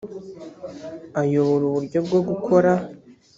ayobora uburyo bwo gukora